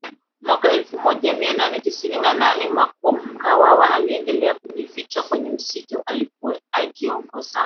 Mwaka elfu moja mia nane tisini na nane Mkwawa aliendelea kujificha kwenye misitu akiongozana